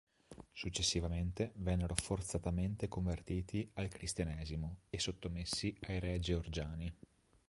Successivamente, vennero forzatamente convertiti al Cristianesimo e sottomessi ai re georgiani.